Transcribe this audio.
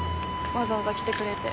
わざわざ来てくれて。